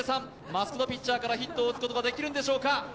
マスク・ド・ピッチャーからヒットを打つことができるんでしょうか。